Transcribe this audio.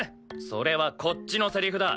それはこっちのセリフだ。